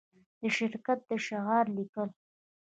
د شرکت د شعار لیکل